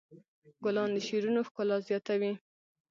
ګلان د شعرونو ښکلا زیاتوي.